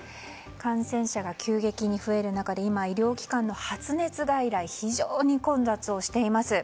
感染者が急激に増える中で今、医療機関の発熱外来が非常に混雑しています。